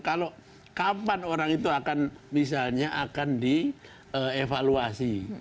kalau kapan orang itu akan misalnya akan dievaluasi